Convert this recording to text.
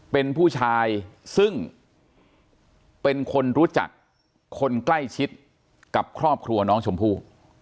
เป็นผู้ชายซึ่งเป็นคนรู้จักคนใกล้ชิดกับครอบครัวน้องชมพู่